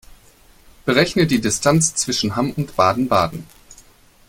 Berechne die Distanz zwischen Hamm und Baden-Baden